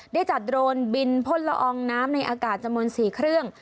ได้จัดโดรนบินพ่นละอองน้ำในอากาศจำนวน๔เครื่อง